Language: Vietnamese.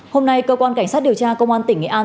hôm nay cơ quan cảnh sát điều tra công an tỉnh nghệ an